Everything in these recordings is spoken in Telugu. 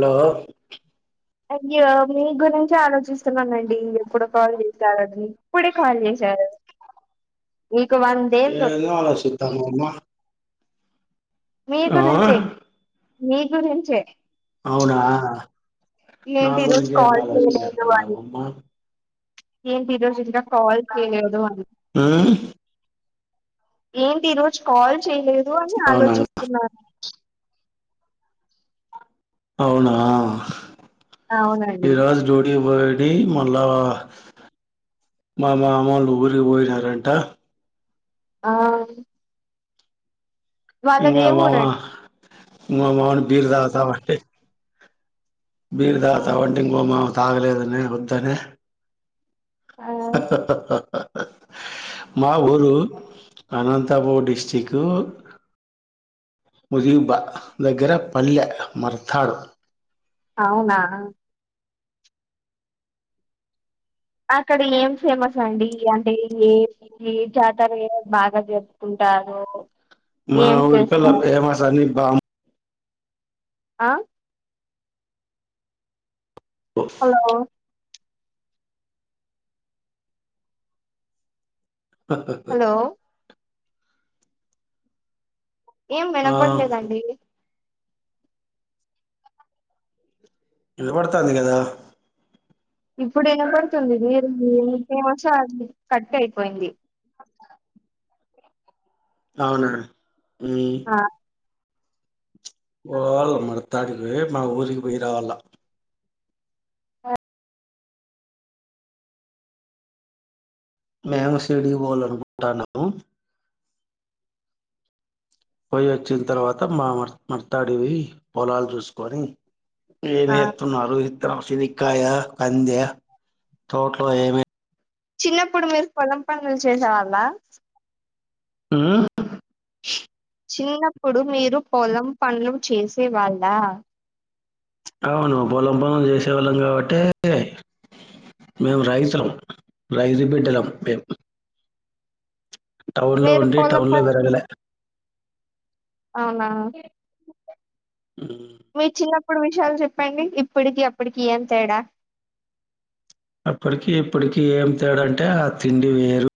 హలో అయ్యే మీ గురించి ఆలోచిస్తున్నానండి ఎప్పుడు కాల్ చేస్తారని ఇప్పుడే కాల్ చేశారు మీకు వందేళ్ళు ఏదో ఆలోషిద్దాంవమ్మ మీ గురించి మీ గురించే అవునా నా ఏంటి ఈ రోజు గురించే ఏమి కాల్ చేయలేదు అని ఆలోషణచేత్తానవమ్మా ఏంటి ఈరోజు ఇంక కాల్ చేయలేదని ఉమ్ ఏంటి ఈరోజ్ కాల్ చేయలేదు అని అవునా ఆలోచిస్తున్నాను అవునా అవునండి ఈ రోజు డ్యూటీకి పోయి ఎయ్ మళ్ళా మా మామోళ్ళు ఊరికి పోయినారంట ఆ ఇంగ వాళ్ళది ఏ మామ ఊరండి మా మామ టీ తాగుతా ఉంటే బీర్ ఆ తాగ్తవా ఇంగో మావా తాగలేదనే వద్దనే ఆ [inaudible] మా ఊరు అనంతపూర్ డిస్టికూ ముజీబ్బా దగ్గర పల్లె మర్తాడు అవునా అక్కడి ఏం ఫేమస్ అండిఈ అంటే ఇ ఏ ఈ జాతరే బాగా జరుపుకుంటారు మా ఏం ఊరికదా చేస్తారు ఫేమాసాని బామ్ ఆ హలో హ్ హ్ హలో ఏం ఆ వినపడలేదండి ఇనబడతాంది కదా ఇప్పుడు ఇనపడుతుంది మీరు మోచె కట్ అయిపోయింది అవునా ఉ ఆ పోవళ మర్తాడికి మా ఊరికి పోయి రావాల మేము సిటీకి పోవాలనుకుంటాన్నము పోయి వచ్చిన తర్వాత మా మ మర్తాడివోయి పొలాలు చూసుకొని ఆ ఏమేత్ నారు ఇత్తనం చెనిగ్కాయ కందె తోట్లో ఏమె చిన్నప్పుడు మీరు పొలం పనులు చేసేవాళ్ళ ఆహ్ చిన్నప్పుడు మీరు పొలం పనులు చేసే వాళ్ళ అవును పొలం పన్లు చేసేవాళ్ళం కాబట్టే మేము రైతులం రైతు బిడ్డలం మేం టౌన్లో మీరు ఉండి పొలం టౌన్లో పనులు పెరగలే అవునా హు మీ చిన్నప్పుడు విషయాలు చెప్పండి ఇప్పటికి అప్పటికి ఏం తేడా అప్పటికి ఇప్పటికి ఏం తేడంటే ఆ తిండి వేరు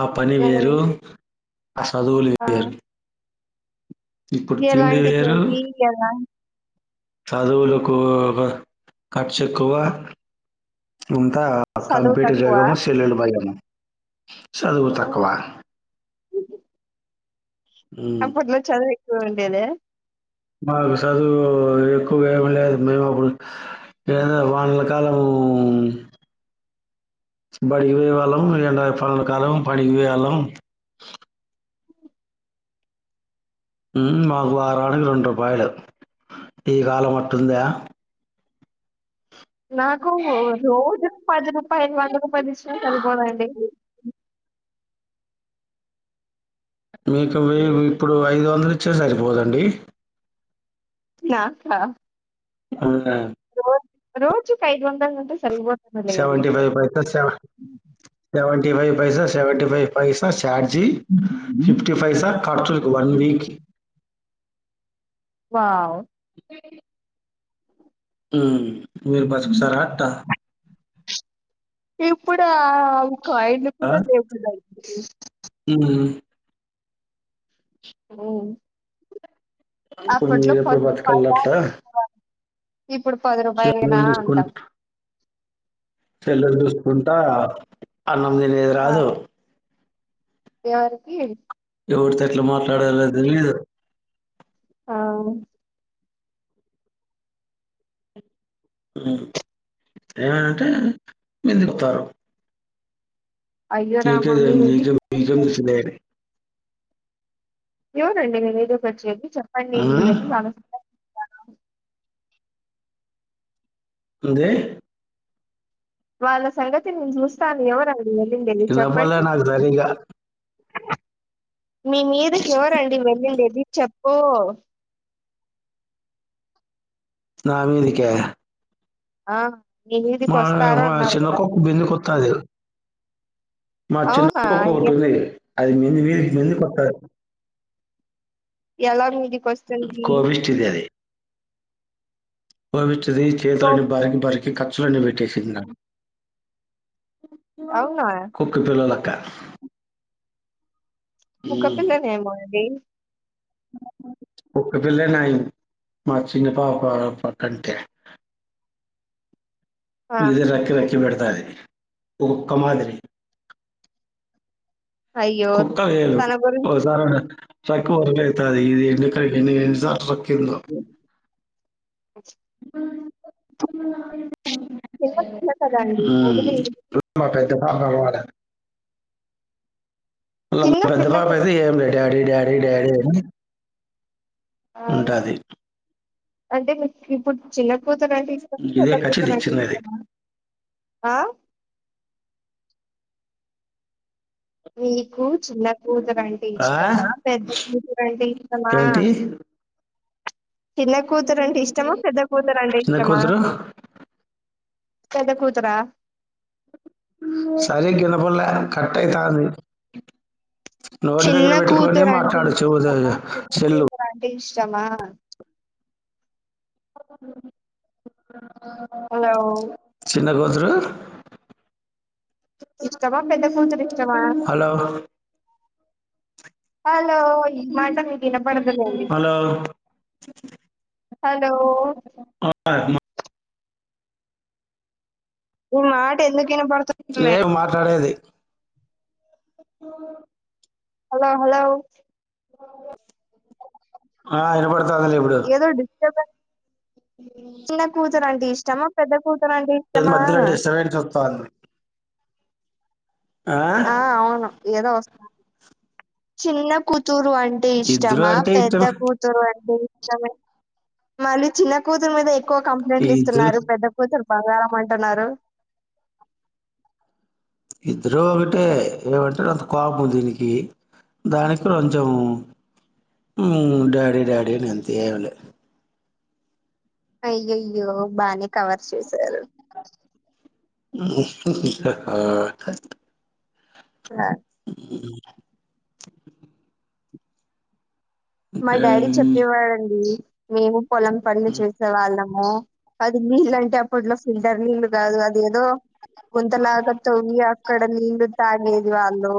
ఆ పని వేరు ఏ- ఆ చదువులే ఆ వేరు ఇప్పుడు ఎలా తిండి అంటిది వేరు మీ ఎలా చదువులకు ఒక ఖర్చు ఎక్కువ ఇంత ఆ చదువు కంప్యూటర్ తక్కువ జగము సెల్లుల భయము చదువు ఆ, తక్కువ ఉమ్. అప్పట్లో చదువు ఎక్కువ ఉండేదా మాకు చదువు ఎక్కువగా ఏమి లేదు మేము అప్పుడు ఎంలే వానల కాలం బడి పోయే వాళ్ళం ఎండ పనుల కాలం పనికి పోయేవాళ్ళం మాకు వారానికి రెండు రూపాయలు ఈ కాలం అట్టుందా నాకు రోజు పది రూపాయిలు వంద రూపాయలు ఇచ్చినా సరిపోదండి మీకు వెయ్యి ఇప్పుడు ఐదు వందలు ఇచ్చినా సరిపోదండి నాకా అవునా రోజ్ రోజుకి ఐదు వందలంటే సరిపోత్ సెవెంటి ఫైవ్ పైసా సెవన్ సెవెంటి ఫైవ్ పైసా సెవెంటీ ఫై సా ఛార్జి ఫిఫటీ పైసా ఖర్చులకి వన్ వీక్ వావ్ అ ఆహ్ ఇప్పుడా కాయిలు కూడా లేవుకదా ఉహు ఉ ఇప్పుడు అప్పట్లో మీరు ఎప్పుడు పది బతకాలి రూపాయల అట్లా ఇప్పుడు పది సెల్లు రూపాయలేనా అంటాం చూసుకుంటా సెల్లు చూసుకుంటా అన్నం తినేది ఆ! రాదు ఎవరికి ఎవరితో ఎట్లా మాట్లాడాలో తెలీదు అవు ఉ ఏమైందంటే బెదిరితారు అయ్యో రామ! మీది నీకే [unintelligible] ఎవరండి నీ మీదకొచ్చేది చెప్పండి నేను ఉమ్. వెళ్లి వాళ్ళ సంగతి ఏంది వాళ్ళ సంగతి నేను చూస్తాను ఎవరండి వెళ్ళింది వినపడలే చెప్పండి నాకు సరిగా మీ మీదకి ఎవరండి వెళ్ళిండేది చెప్పు నా మీదికా ఆ మీ మా మీదికొస్తారు మా అన్నారు కదా! చిన్నకుక్క బందు కొత్తది మా అవునా చిన్నక్కక్క ఒకటి ఎ ఉంది అది మంది మీరికి మంది కొత్తది ఎలా మీదికస్తుంది తెలియదు పోపట్ది కో చేతులన్నీ బరికి బరికి ఖర్చులన్నీ పెట్టేసింది నాకు అవునా కుక్క పిల్లలక్క కుక్క పిల్లనేమో అండి కుక్కపిల్ల నయం మా చిన్న పాప పాకంటే ఆ ఇది రక్కి రెక్కి పెడతాది ఓ కుక్క మాదిరి అయ్యో కుక్క వేరు తన గురిం ఒ [unintelligible] అయితది ఇది ఇది ఎ ఎన్నిసార్లు రక్కిందో [inaudible] చిన్నపిల్ల కదండి వదిలేయండి నాకైతే బాగా అలవాటండి [unintelligible] మా చిన్న పెద్ద పిల్ల పాప అయితే కదా ఏంలే డాడీ డాడీ డాడీ అని ఆ అంటాది అంటే మీకు ఇప్పుడు చిన్న కూతురంటే ఇష్టమా ఇదే పెద్ద కసిది కూతురంటే చిన్నది. ఇష్టమా ఆ మీకు చిన్న కూతురంటే ఆ! ఇష్టమా పెద్ద కూతురంటే ఇష్టమా ఏంటి చిన్న కూతురంటే ఇష్టమా పెద్ద కూతురాంటే చిన్న ఇష్టమా కూతురు పెద్ద కూతురా సరిగ్గా వినపడలా కట్ అయితాంది నోటి చిన్న దగ్గర పెట్టుకొని మాట్లాడు చెవు దగ్గర సెల్లు అంటే ఇష్టమా హలో చిన్న కూతురు ఇష్టమా పెద్ద కూూతురు ఇష్టమా హలో హలో ఈ మాట నీ వినపడదు లెండి హలో హలో [unintelligible] ఈ మాట ఎందుకు ఇనాపడుతూ ఏం మాట్లాడేది ఆ హలో హలో ఆ ఇనపడుతాదలే ఇప్పు ఏదో డిస్ట్రబెన్స్ చిన్న కూతురు అంటే ఇష్టమా పెద్ద కూతురు అంటే ఇష్టమా ఒస్తుంది ఆ అవును ఏదో వస్తంది చిన్న కూ తురు అంటే ఇద్దరు ఇష్టమా అంటే పెద్ద ఇష్టం కూతు రూ అంటే ఇష్టమే మళ్ళీ చిన్న కూతురు మీద ఎక్కువ కంప్లైంట్లు ఇద్దరు ఇస్తున్నారు పెద్ద కూతురు బంగారం అంటున్నారు ఇద్దరు ఒకటే ఏమంటే అంత కోపం దీనికి దానికి కొంచెం డాడీ డాడీ అని అంతే ఏం లేదు అయ్యయ్యో బానే కవర్ చేశారు [unintelligible] ఆ ఉ మా డాడీ ఉమ్, చెప్పేవాడండి మేము పొలం పనులు చూసే వాళ్ళము అది వీళ్ళంటే ఫడ్ల ఫిల్టర్ నిలు కాదు అదేదో గుంతల ఆగతు ఇ అక్కడ నిలు తాగేది వాళ్ళు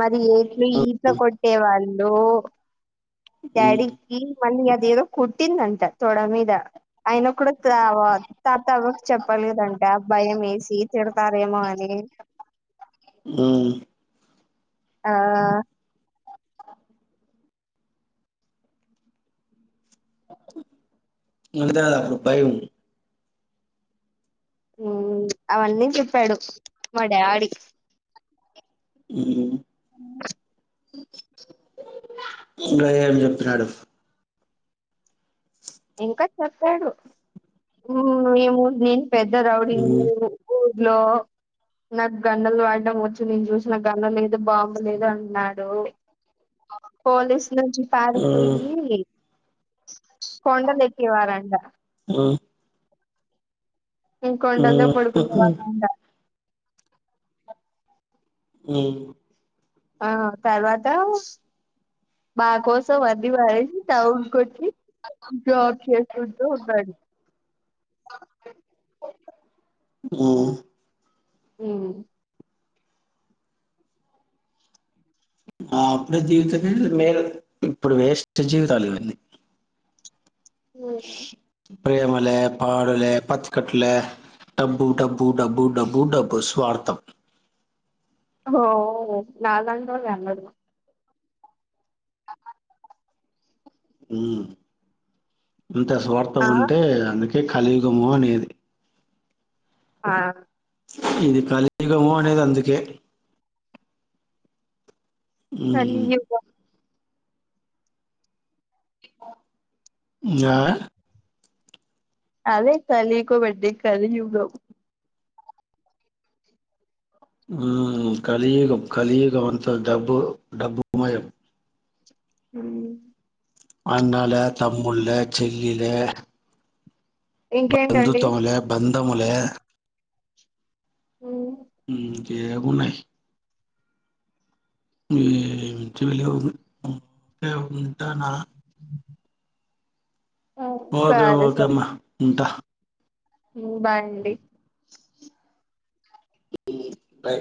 మరి ఏట్లు ఈతలు కొట్టే వాళ్ళు ఉమ్, డాడీకి మళ్ళీ అదేదో కుట్టిందంట తోడ మీద ఆయన కూడా తాత అవకి చెప్పలేదంట భయం వేసి తిడతారేమో అని హ్మ్ ఆ అదా భయం హ్మ్ అవన్నీ చెప్పాడు మా డాడీ ఉ అ గాదె ఆడు చెప్పినాడు ఇంకా చెప్పాడు హమ్ మేము నేను పెద్ద రౌడినీ మ్మ్ అని ఊర్లో నాకు గన్నలు వాడడం వచ్చు నేను చూసిన నా గన్న లేదు బాంబు లేదు అన్నాడు అ పోలీస్ నుంచి పారిపోయి కొండలేకెవారు అంట ఇ కొండంలో మ్మ్ పడుకునే మ్మ్ వాళ్లంతా హమ్ ఆ తర్వాత మా కోసం అన్ని మానేసి టౌన్కు వచ్చి జాబ్ చేస్తుంటూ ఉనాడు హ్మ్ ఉ ఆ అప్పుడే జీవితమే వేరు ఇప్పుడు వేస్ట్ జీవితాలు ఇవన్నీ ఉ ప్రేమలే పాడలే పంచుకుటలే డబ్బు డబ్బు డబ్బు డబ్బు డబ్బు స్వార్థం హా అవును నా లాంటివలకి అందదు గా ఉ ఇంత స్వార్థం ఆ! అంటే అందుకే కలియుగము అనేది ఆ ఇది కలియుగం అనేది అందుకే మ్మ్ కలియుగం ఆ అదే కలీక [unintelligible] కలియుగం ఉ కలియుగం కలియుగం అంత డబ్బు డబ్బు సమయం ఉమ్ అన్న లే తమ్ముడు లే చెల్లిలే ఇంకేంటండి? బంధుత్వం లే బందములే ఉ ఇంకేం ఉనాయి ఏమిటివి లేవు లేవు ఉంటనా ఆ, ఓకే సరే ఓకే మ్మ ఉంటా. ఉంటాండి ఉమ్ బాయ్